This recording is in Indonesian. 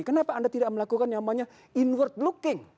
kenapa anda tidak melakukan yang namanya inward looking